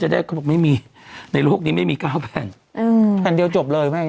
จะได้เขาบอกไม่มีในโลกนี้ไม่มีก้าวแผ่นแผ่นเดียวจบเลยไหม